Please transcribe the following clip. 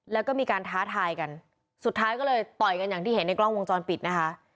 แล้วก็มีการท้าทายกันสุดท้ายก็เลยต่อยกันอย่างที่เห็นในกล้องวงจรปิดนะคะ